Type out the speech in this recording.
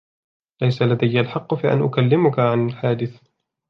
ليس لدي الحق في أن أكلمك عن الحادث.